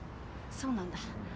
そうなんだ。